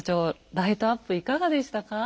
ライトアップいかがでしたか？